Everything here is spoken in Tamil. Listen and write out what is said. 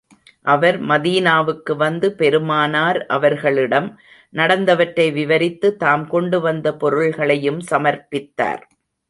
அவர் மதீனாவுக்கு வந்து, பெருமானார் அவர்களிடம் நடந்தவற்றை விவரித்து, தாம் கொண்டு வந்த பொருள்களையும் சமர்ப்பித்தார்.